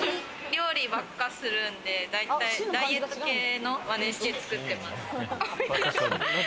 料理ばっかするんで、ダイエット系の真似して作ってます。